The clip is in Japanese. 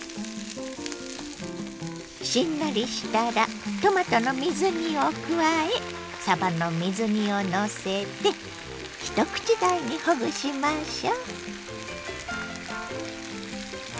しんなりしたらトマトの水煮を加えさばの水煮をのせて一口大にほぐしましょ。